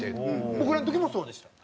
僕らの時もそうでした。